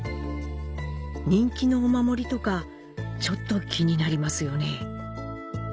人気のお守りとか、ちょっと気になりますよね。